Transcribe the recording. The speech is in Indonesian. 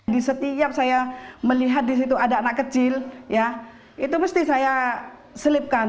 di setiap saya melihat di situ ada anak kecil ya itu mesti saya selipkan